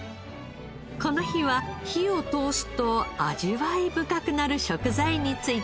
この日は火を通すと味わい深くなる食材について。